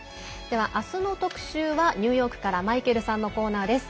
では、あすの特集はニューヨークからマイケルさんのコーナーです。